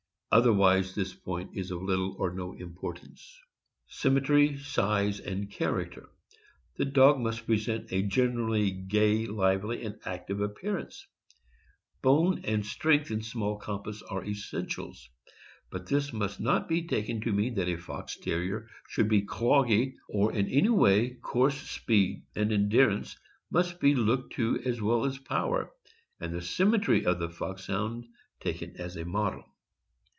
Otherwise this point is of lit tle or no importance. Symmetry , size, and character. — The dog must present a generally gay, lively, and active appearance; bone and strength in a small compass are essentials, but this must not be taken to mean that a Fox Terrier should be cloggy, or in any way coarse — speed and endurance must be looked to as well as power, and the symmetry of the Foxhound taken as a model.